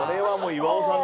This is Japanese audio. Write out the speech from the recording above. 岩尾さんだ。